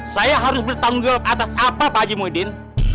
saya harus bertanggung jawab atas apa pak aji muhyiddin